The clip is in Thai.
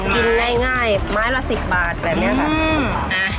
กินง่ายไม้ละ๑๐บาทแบบนี้ค่ะ